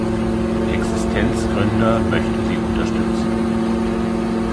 Existenzgründer möchte sie unterstützen.